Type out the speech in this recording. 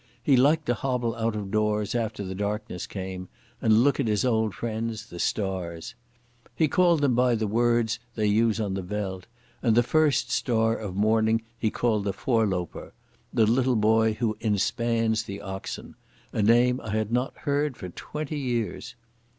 He liked to hobble out of doors after the darkness came and look at his old friends, the stars. He called them by the words they use on the veld, and the first star of morning he called the voorlooper—the little boy who inspans the oxen—a name I had not heard for twenty years.